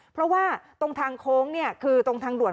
เพราะว่าตรงทางโค้งคือตรงทางด่วน